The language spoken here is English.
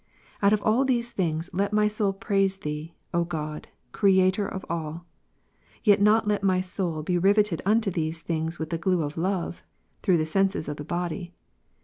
Out of all these things let my souli praise Thee, O God, Creator of all; yet let not my soul be rivetted unto these things with the glue of love, througli the senses of the body.